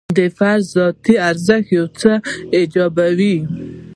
د فرد ذاتي ارزښت یو څه ایجابوي.